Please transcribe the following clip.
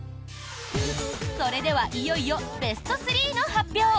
それではいよいよベスト３の発表。